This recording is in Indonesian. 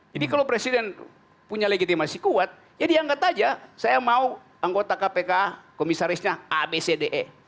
jadi kalau presiden punya legitimasi kuat ya diangkat saja saya mau anggota kpk komisarisnya abcde